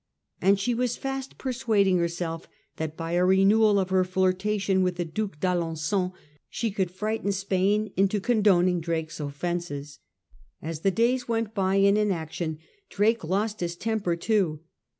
and she was fast persuading herself that by a renewal of her flirtation with the Due d'Alen9on she coujd frighten Spain into condoning Drake's offences. As the days went by in inaction Drake lost his temper too.